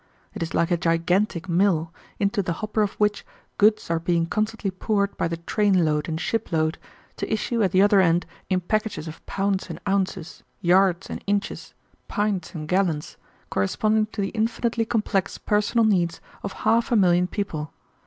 It is like a gigantic mill, into the hopper of which goods are being constantly poured by the train load and shipload, to issue at the other end in packages of pounds and ounces, yards and inches, pints and gallons, corresponding to the infinitely complex personal needs of half a million people.